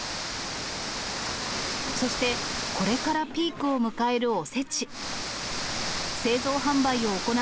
そして、これからピークを迎えるおせち。